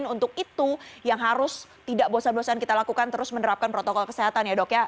untuk itu yang harus tidak bosan bosan kita lakukan terus menerapkan protokol kesehatan ya dok ya